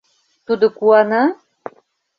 — Тудо куана?..